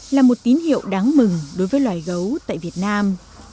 là một tín hiệu đáng mừng đối với loài gấu tại việt nam